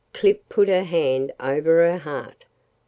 Clip put her hand over her heart.